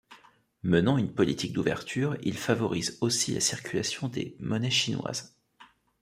Menant une politique d'ouverture, ils favorisent aussi la circulation des monnaies chinoises.